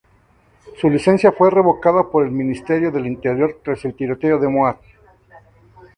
Su licencia fue revocada por el ministerio del interior tras el tiroteo de Moat.